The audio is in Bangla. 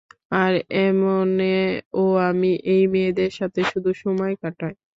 আর এমনে ও আমি এই মেয়েদের সাথে শুধু সময় কাটায়।